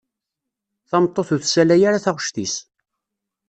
Tameṭṭut ur tessalay ara taɣect-is.